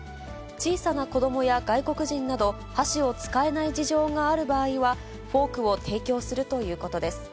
小さな子どもや外国人など、箸を使えない事情がある場合はフォークを提供するということです。